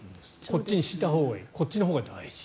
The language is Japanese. こっちにしたほうがいいこっちのほうが大事。